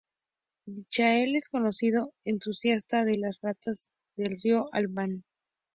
Michael es un conocido entusiasta de las ratas del río Albany.